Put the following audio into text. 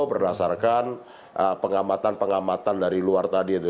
berdasarkan pengamatan pengamatan dari luar tadi itu